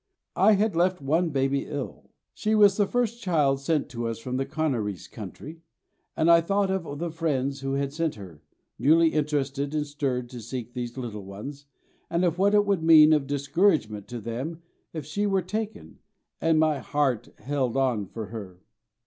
I had left one baby ill. She was the first child sent to us from the Canarese country; and I thought of the friends who had sent her, newly interested and stirred to seek these little ones, and of what it would mean of discouragement to them if she were taken, and my heart held on for her.